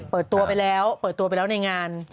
เปิดตัวไปแล้วในงาน